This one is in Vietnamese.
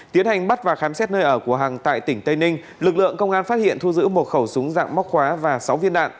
tiến hành bắt và khám xét nơi ở của hằng tại tỉnh tây ninh lực lượng công an phát hiện thu giữ một khẩu súng dạng móc khóa và sáu viên đạn